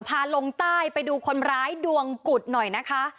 ลงใต้ไปดูคนร้ายดวงกุฎหน่อยนะคะ